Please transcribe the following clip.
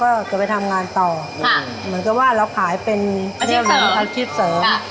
ก็จะไปทำงานต่อค่ะเหมือนกับว่าเราขายเป็นอาทิตย์เสริมอาทิตย์เสริมค่ะอืม